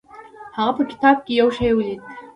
هغه په کتاب کې یو شی ولید.